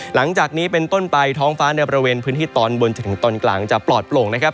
หลังจากนี้เป็นต้นไปท้องฟ้าในบริเวณพื้นที่ตอนบนจนถึงตอนกลางจะปลอดโปร่งนะครับ